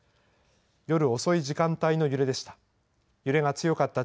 夜遅い時間帯の揺れでした。